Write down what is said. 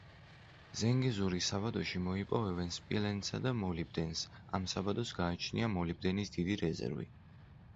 ზანგეზურის საბადოში, მოიპოვებენ სპილენძსა და მოლიბდენს, ამ საბადოს გააჩნია მოლიბდენის დიდი რეზერვი.